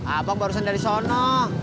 abang barusan dari sono